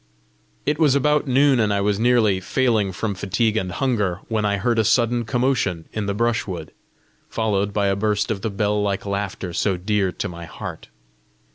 It was about noon, and I was nearly failing from fatigue and hunger, when I heard a sudden commotion in the brushwood, followed by a burst of the bell like laughter so dear to my heart.